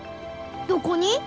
どこに？